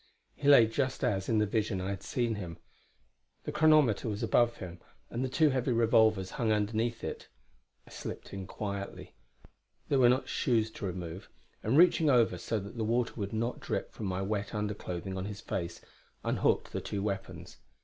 He lay just as, in the vision, I had seen him; the chronometer was above him and the two heavy revolvers hung underneath it. I slipped in quietly there were not shoes to remove and reaching over so that the water would not drip from my wet underclothing on his face, unhooked the two weapons.